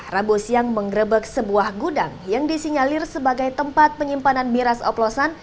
rabu siang mengrebek sebuah gudang yang disinyalir sebagai tempat penyimpanan miras oplosan